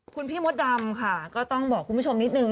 คุณพี่มดดำค่ะก็ต้องบอกคุณผู้ชมนิดนึง